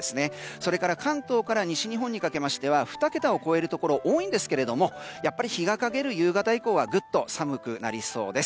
それから関東から西日本にかけましては２桁を超えるところが多いんですがやっぱり日が陰る夕方以降はぐっと寒くなりそうです。